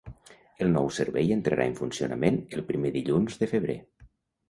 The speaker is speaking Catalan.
El nou servei entrarà en funcionament el primer dilluns de febrer.